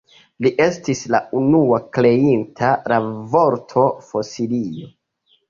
Li estis la unua kreinta la vorto Fosilio.